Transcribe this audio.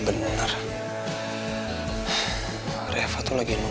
mereka lari lari daling lain